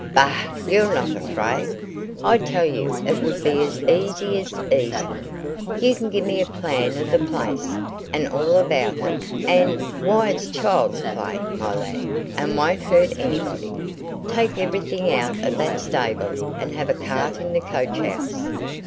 "Bah! you're not afraid. I tell you it would be as easy as easy. You can give me a plan of the place, and all about it, and why, it's child's play, my lad, and won't hurt anybody. Take everything out of that stable, and have a cart in the coach house.